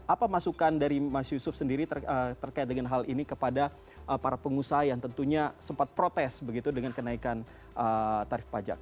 apa masukan dari mas yusuf sendiri terkait dengan hal ini kepada para pengusaha yang tentunya sempat protes begitu dengan kenaikan tarif pajak